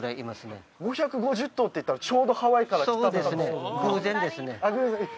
５５０頭っていったらちょうどハワイから来た豚とそうですね